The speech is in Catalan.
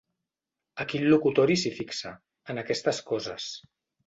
Aquí al locutori s'hi fixa, en aquestes coses.